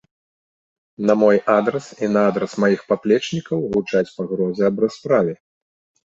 На мой адрас і на адрас маіх паплечнікаў гучаць пагрозы аб расправе.